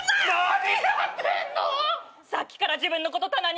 さっきから自分のこと棚に上げて。